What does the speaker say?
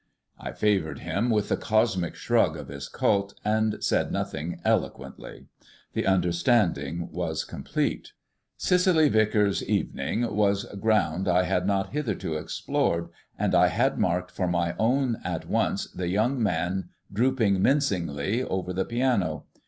I favoured him with the cosmic shrug of his cult, and said nothing eloquently. The understanding was complete. Cicely Vicars's "evening" was ground I had not hitherto explored, and I had marked for my own at once the young man drooping mincingly over the piano.